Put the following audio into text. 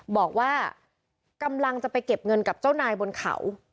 บอกว่ากำลังจะไปเก็บเงินกับเจ้านายบนเขา